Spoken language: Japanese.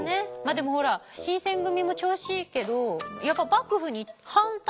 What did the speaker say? でもほら新選組も調子いいけどやっぱうんそのとおりだ。